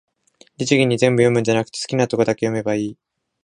律儀に全部読むんじゃなくて、好きなとこだけ読めばいい